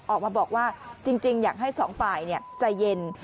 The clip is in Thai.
ออกมาบอกว่าจริงอยากให้สองฝ่ายใจเย็น